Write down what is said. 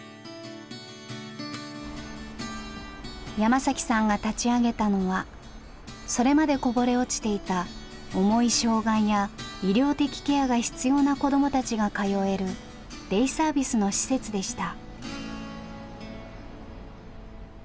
山さんが立ち上げたのはそれまでこぼれ落ちていた重い障害や医療的ケアが必要な子どもたちが通えるデイサービスの施設でした。